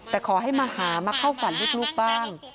แต่ขอให้มาหามาเข้าฝันลูกบ้าง